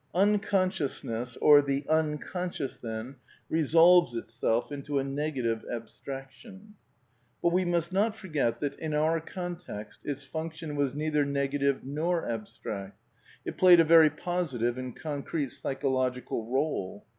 z "Unconsciousness" or the Unconscious," then, re /^ solves itself into a negative abstraction. But we must not forget that in our context its fimction was neither negative nor abstract; it played a very posi tive and concrete psychological role.